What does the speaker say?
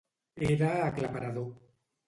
Era aclaparador.